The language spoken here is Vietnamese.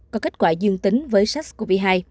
có kết quả dương tính với sars cov hai